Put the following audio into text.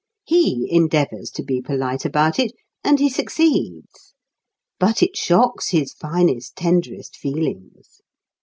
He endeavours to be polite about it, and he succeeds. But it shocks his finest, tenderest feelings.